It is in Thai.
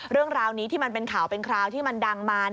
เรื่องราวนี้ที่มันเป็นข่าวเป็นคราวที่มันดังมา